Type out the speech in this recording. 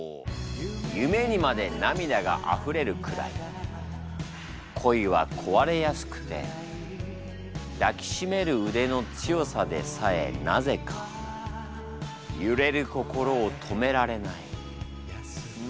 「夢にまで涙があふれるくらい恋はこわれやすくて抱きしめる腕のつよさでさえなぜかゆれる心をとめられない」。